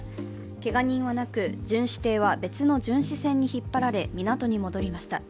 けが人はなく、巡視艇は別の巡視船に引っ張られ、港に戻りました。